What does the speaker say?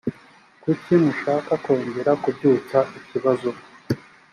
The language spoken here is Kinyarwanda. kuki mushaka kongera kubyutsa ikibazo